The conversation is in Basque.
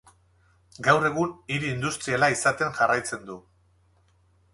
Gaur egun hiri industriala izaten jarraitzen du.